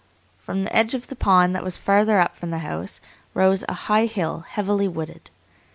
From the edge of the pond that was farther from the house rose a high hill, heavily wooded.